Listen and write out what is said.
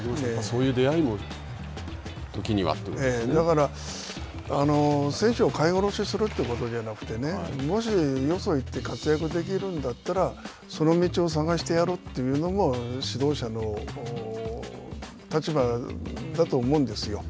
そういう出会いも、だから、選手を飼い殺しするということじゃなくて、もしよそへ行って活躍できるんだったら、その道を探してやるというのも指導者の立場だと思うんですよ。